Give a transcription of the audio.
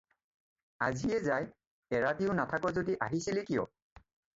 আজিয়েই যায়! এৰাতিও নাথাক যদি আহিছিলি কিয?